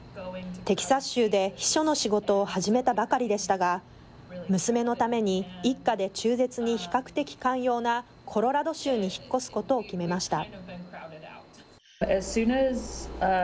テキサス州で秘書の仕事を始めたばかりでしたが、娘のために、一家で中絶に比較的寛容なコロラド州に引っ越すことを決めました。